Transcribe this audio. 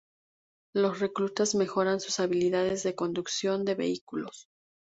Los reclutas mejoran sus habilidades de conducción de vehículos.